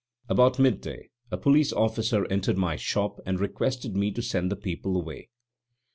About mid day a police officer entered my shop and requested me to send the people away.